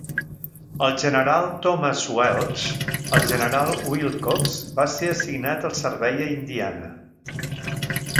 El general Thomas Welsh, el general Willcox va ser assignat al servei a Indiana.